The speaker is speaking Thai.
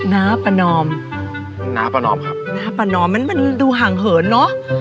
น้าประนอมน้าประนอมครับน้าประนอมมันมันดูห่างเหินเนอะ